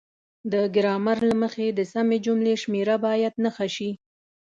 د ګرامر له مخې د سمې جملې شمیره باید نښه شي.